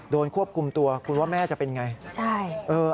โดนควบคุมตัวคุณว่าแม่จะเป็นอย่างไร